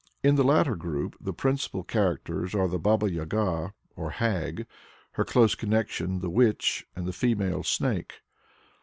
In the latter group the principal characters are the Baba Yaga, or Hag, her close connection the Witch, and the Female Snake.